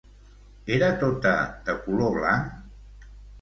Era tota de color blanc?